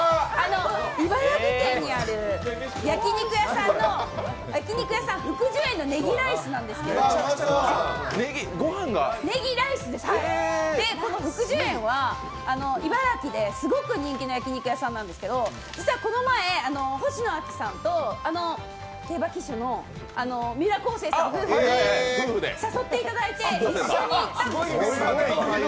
茨城県にある焼き肉屋さんの福寿苑のねぎライスなんですけど、福寿苑は茨城ですごく人気の焼き肉屋さんなんですけどこの前、ほしのあきさんと競馬騎手の三浦皇成さん夫婦に誘っていただいて一緒に行ったんですよ。